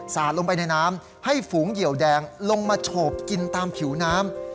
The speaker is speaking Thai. ลงไปในน้ำให้ฝูงเหยียวแดงลงมาโฉบกินตามผิวน้ำ